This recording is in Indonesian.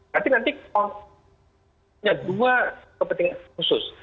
nanti nanti punya dua kepentingan khusus